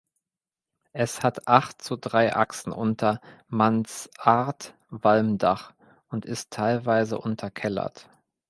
Es hat acht zu drei Achsen unter Mansardwalmdach und ist teilweise unterkellert.